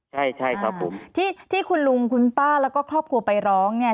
ใช่ใช่ครับผมที่ที่คุณลุงคุณป้าแล้วก็ครอบครัวไปร้องเนี่ย